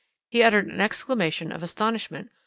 He uttered an exclamation of astonishment.